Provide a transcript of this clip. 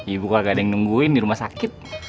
ibu kagak ada yang nungguin di rumah sakit